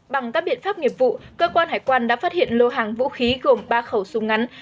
bằng các biện pháp nghiệp vụ cơ quan hải quan đã phát hiện lô hàng vũ khí gồm ba khẩu súng ngắn